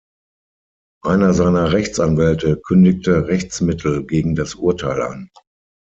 Einer seiner Rechtsanwälte kündigte Rechtsmittel gegen das Urteil an.